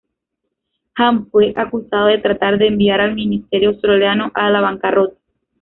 Ham fue acusado de tratar de enviar al ministerio australiano a la bancarrota.